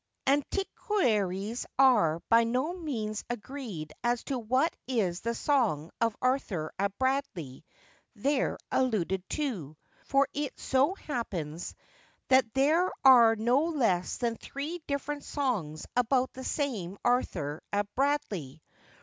Antiquaries are by no means agreed as to what is the song of Arthur a Bradley, there alluded to, for it so happens that there are no less than three different songs about this same Arthur a Bradley.